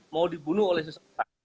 mau dibunuh oleh sesuatu